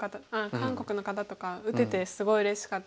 韓国の方とか打ててすごいうれしかったです。